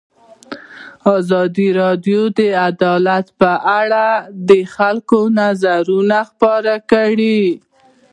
ازادي راډیو د عدالت په اړه د خلکو نظرونه خپاره کړي.